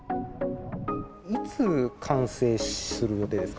いつ完成する予定ですか？